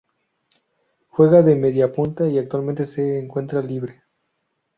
Juega de mediapunta y actualmente se encuentra libre.